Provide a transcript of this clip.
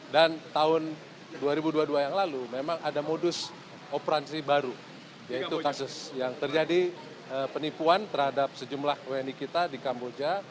dan tahun dua ribu dua puluh dua yang lalu memang ada modus operasi baru yaitu kasus yang terjadi penipuan terhadap sejumlah wni kita di kamboja